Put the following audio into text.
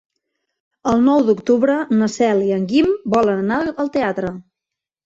El nou d'octubre na Cel i en Guim volen anar al teatre.